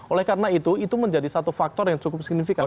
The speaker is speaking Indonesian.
oleh karena itu itu menjadi satu faktor yang cukup signifikan